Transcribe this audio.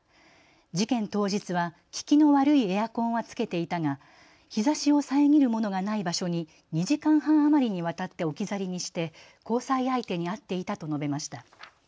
事件当日は利きの悪いエアコンはつけていたが日ざしを遮る物がない場所に２時間半余りにわたって置き去りにして交際相手に会っていたと述べました。